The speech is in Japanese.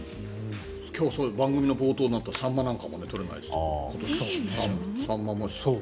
今日、番組の冒頭であったサンマなんかも取れないって言ってた。